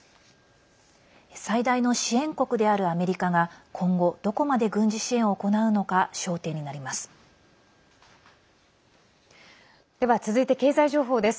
最大の支援国であるアメリカが今後どこまで軍事支援を行うのか焦点になります。